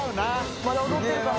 まだ踊ってるかな？